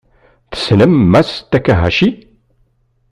Tessnem Mass Takahashi?